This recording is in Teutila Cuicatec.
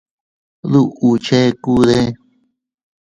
¿Duʼu chekude?